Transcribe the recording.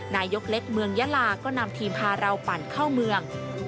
นายกเล็กเมืองยาลาก็นำทีมพาเราปั่นเข้าเมือง